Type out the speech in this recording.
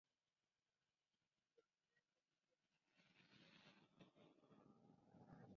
En algunos casos los delincuentes eran identificados, juzgados por tribunales militares, y castigados.